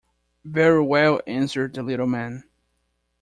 "Very well," answered the little man.